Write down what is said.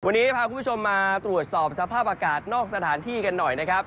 วันนี้พาคุณผู้ชมมาตรวจสอบสภาพอากาศนอกสถานที่กันหน่อยนะครับ